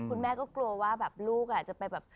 คุณแม่ก็กลัวว่าลูกจะไป